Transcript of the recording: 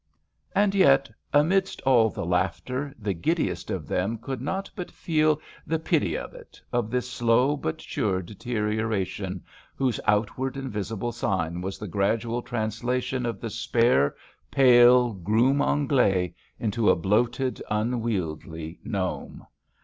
And yet amidst all the laughter, the giddiest of them could not but feel "the pity of it," of this slow but sure deteriora tion whose outward and visible sign was the gradual translation of the spare, pale "groom anglais" into a bloated, unwieldy gnome.